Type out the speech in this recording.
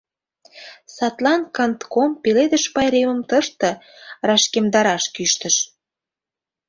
Садлан кантком Пеледыш пайремым тыште рашкемдараш кӱшташ.